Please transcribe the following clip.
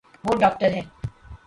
وہ داکٹر ہے